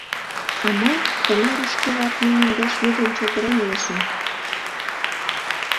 А мый тынарышкевак нунын деч лӱдын-чытырен илышым...